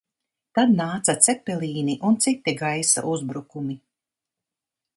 Tad nāca Cepelīni un citi gaisa uzbrukumi.